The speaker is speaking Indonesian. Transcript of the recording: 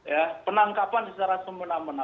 ya penangkapan secara semena mena